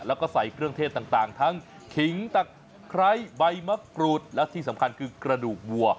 แล้วก็ใส่เครื่องเทศต่างทั้งขิงตะไคร้ใบมะกรูดและที่สำคัญคือกระดูกวัว